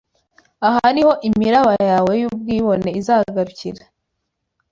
aha ni ho imiraba yawe y’ubwibone izagarukira